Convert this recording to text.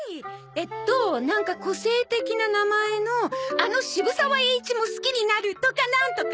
えっとなんか個性的な名前の「あの渋沢栄一も好きになる」とかなんとか。